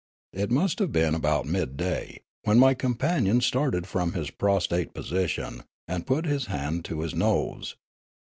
It must have been about midday, when my companion started from his prostrate position, and put his hand to his nose.